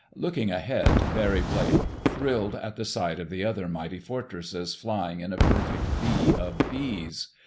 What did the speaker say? Looking ahead, Barry Blake thrilled at the sight of the other mighty Fortresses flying in a perfect V of V's.